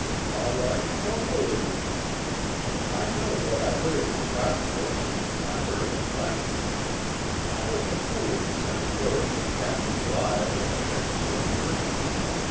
All right, don't believe me. I know what I heard in the cottonwoods, an' I heard aplenty. I was a fool tuh send word tuh Captain Blythe o' the Texas Rangers.